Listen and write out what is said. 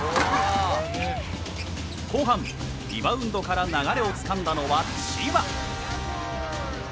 後半、リバウンドから流れをつかんだのは千葉。